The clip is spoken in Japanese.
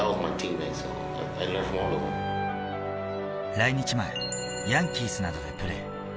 来日前、ヤンキースなどでプレー。